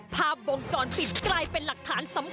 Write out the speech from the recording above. ภาพวงจรปิดกลายเป็นหลักฐานสำคัญ